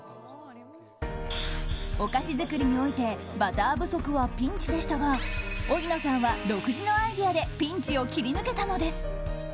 お菓子作りにおいてバター不足はピンチでしたが荻野さんは独自のアイデアでピンチを切り抜けたのです。